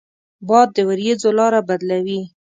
باد د ورېځو لاره بدلوي